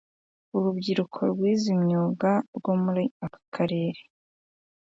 Urubyiruko rwize imyuga rwo muri aka Karere